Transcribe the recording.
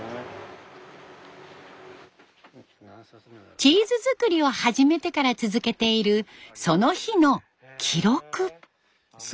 チーズ作りを始めてから続けているその日の記録。